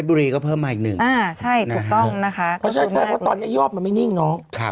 ทะลุมีเพิ่มไปอีกสอง